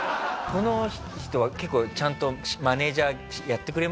この人は結構ちゃんとマネジャーやってくれましたか？